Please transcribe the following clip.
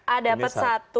a dapat satu